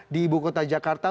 di ibu kota jakarta